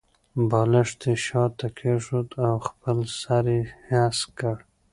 بالښت یې شاته کېښود او خپل سر یې هسک کړ.